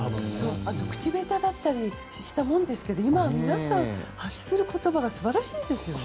あと口下手だったりしたもんですけど今は皆さん発する言葉が素晴らしいですよね。